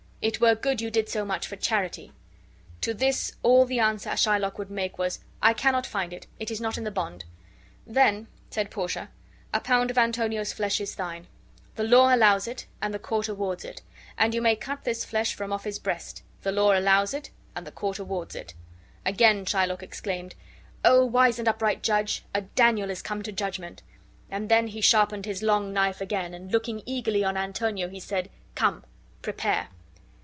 It were good you did so much for charity." To this all the answer Shylock would make was, "I cannot find it; it is not in the bond." "Then," said Portia, "a pound of Antonio's flesh is thine. The law allows it and the court awards it. And you may cut this flesh from off his breast. The law allows it and the court awards it." Again Shylock exclaimed: "O wise and upright judge! A Daniel is come to judgment!" And then he sharpened his long knife again, and looking eagerly on Antonio, he said, "Come, prepare!"